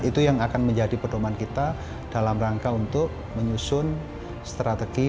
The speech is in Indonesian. itu yang akan menjadi pedoman kita dalam rangka untuk menyusun strategi